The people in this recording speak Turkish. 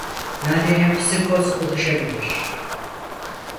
Nadiren psikoz oluşabilir.